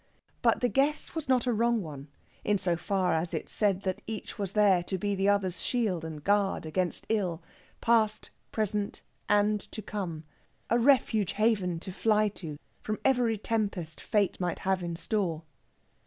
But the guess was not a wrong one, in so far as it said that each was there to be the other's shield and guard against ill, past, present, and to come a refuge haven to fly to from every tempest fate might have in store.